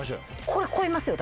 これ超えますよ